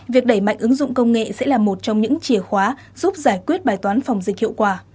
việc đẩy mạnh ứng dụng công nghệ sẽ là một trong những chìa khóa giúp giải quyết bài toán phòng dịch hiệu quả